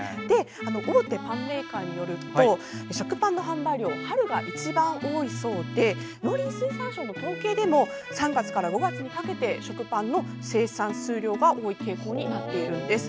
大手パンメーカーによると食パンの販売量は春が一番多いそうで農林水産省の統計でも３月から５月にかけて食パンの生産数量が多い傾向になっているんです。